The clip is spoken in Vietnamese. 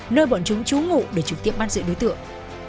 nơi bọn chúng trú ngụ để trực tiếp bắt giữ đối tượng